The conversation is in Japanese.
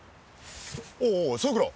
おうおうさくら